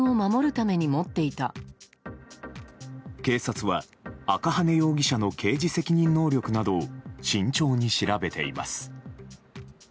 警察は、赤羽容疑者の刑事責任能力などを慎重に調べています。